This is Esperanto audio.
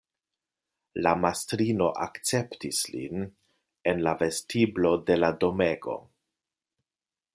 La mastrino akceptis lin en la vestiblo de la domego.